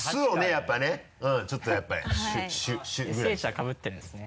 やっぱりねちょっとやっぱり「ｓｈ」ぐらいで「ｓｈ」はかぶってるんですね。